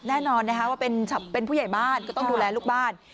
แน่นอนนะคะว่าเป็นผู้ใหญ่บ้านก็ต้องดูแลลูกบ้าน